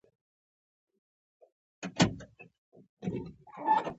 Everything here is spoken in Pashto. حب د دنیا سر د خطا متل د دنیا سره مینې زیانونه ښيي